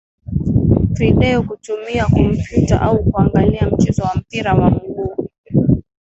Video, kutumia kompyuta au kuangalia mchezo wa mpira wa miguu.